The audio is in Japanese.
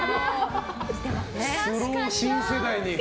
スロー新世代に。